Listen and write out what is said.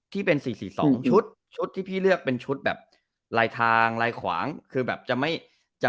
ที่เป็น๔๔๒ชุดชุดที่พี่เลือกเป็นชุดแบบลายทางลายขวางคือแบบจะไม่จะ